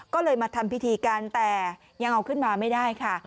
ก็เลยมาทำพิธีกันแต่ยังเอาขึ้นมาไม่ได้ค่ะ